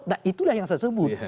nah itulah yang saya sebut